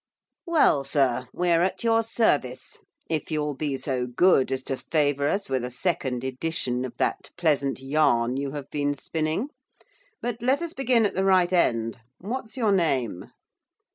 'Well, sir, we are at your service, if you will be so good as to favour us with a second edition of that pleasant yarn you have been spinning. But let us begin at the right end! what's your name?